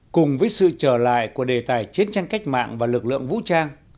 cùng với sự trở lại của đề tài chiến tranh cách mạng và lực lượng vũ trang